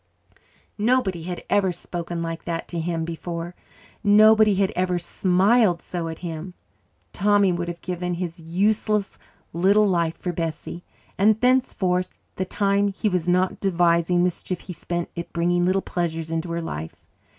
Nobody had ever spoken like that to him before; nobody had ever smiled so at him. Tommy would have given his useless little life for Bessie, and thenceforth the time he was not devising mischief he spent in bringing little pleasures into her life.